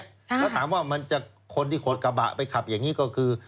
แล้วถามว่ามันจะคนที่ขดกระบะไปขับอย่างนี้ก็คือ